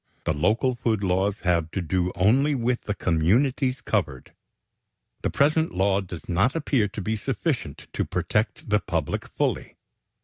The local food laws have to do only with the communities covered. The present law does not appear to be sufficient to protect the public fully.